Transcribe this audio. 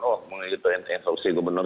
oh mengikuti instruksi gubernur